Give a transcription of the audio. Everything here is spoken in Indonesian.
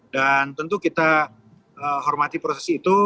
dan tentu kita hormati proses itu